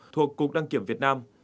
thuộc cục đăng kiểm việt nam